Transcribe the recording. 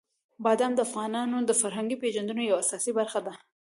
بادام د افغانانو د فرهنګي پیژندنې یوه اساسي برخه ده.